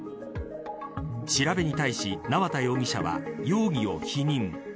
調べに対し、縄田容疑者は容疑を否認。